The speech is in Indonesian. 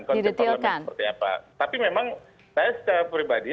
didetilkan tapi memang saya secara pribadi saya juga